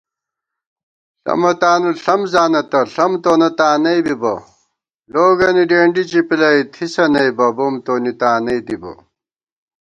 ݪَمہ تانُو ݪَم زانہ تہ ݪَم تونہ تانئ بِبَہ * لوگَنی ڈېنڈی چِپِلَئ تھِسہ نئیبہ بُم تونی تانئ دِبہ